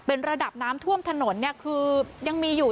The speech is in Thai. เป็นระดับน้ำท่วมถนนเนี่ยคือยังมีอยู่